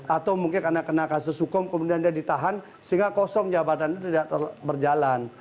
atau mungkin karena kena kasus hukum kemudian dia ditahan sehingga kosong jabatan itu tidak berjalan